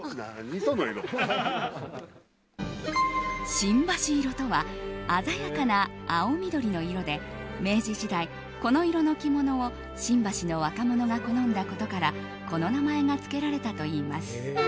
新橋色とは鮮やかな青緑の色で明治時代、この色の着物を新橋の若者が好んだことからこの名前が付けられたといいます。